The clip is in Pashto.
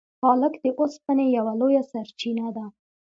پالک د اوسپنې یوه لویه سرچینه ده.